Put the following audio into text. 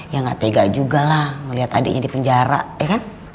ya gak tega juga lah melihat adiknya di penjara ya kan